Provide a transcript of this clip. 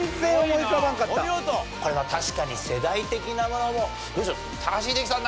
これは確かに世代的なものも高橋英樹さん